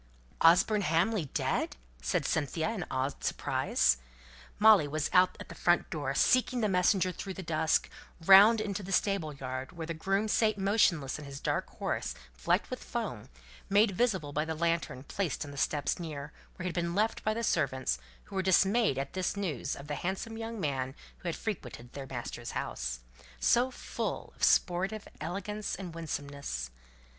"Osborne Hamley dead!" said Cynthia, in awed surprise. Molly was out at the front door, seeking the messenger through the dusk, round into the stable yard, where the groom sate motionless on his dark horse, flecked with foam, made visible by the lantern placed on the steps near, where it had been left by the servants, who were dismayed at this news of the handsome young man who had frequented their master's house, so full of sportive elegance and winsomeness.